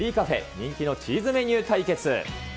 人気のチーズメニュー対決。